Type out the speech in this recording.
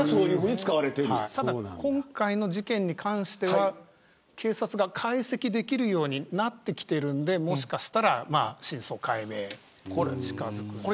ただ、今回の事件に関しては警察が解析できるようになってきているのでもしかしたら真相解明に近づくかも。